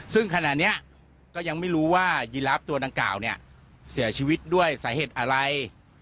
ซึ่งขณะนี้ก็ยังไม่รู้ว่ายีลาฟตัวดังกล่าวเนี่ยเสียชีวิตด้วยสาเหตุอะไร